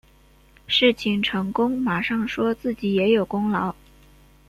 事情成功马上说自己也有功劳